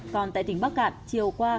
còn tại tỉnh bắc cạn chiều qua